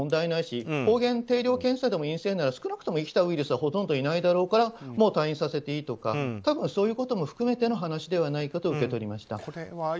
ないし抗原定量検査でも陰性なら少なくとも生きたウイルスはいないだろうから退院させていいとかそういうことを含めての話ではないかと受け取りました。